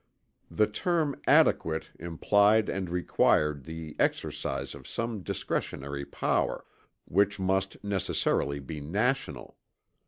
The term "adequate" implied and required the exercise of some discretionary power, which must necessarily be national.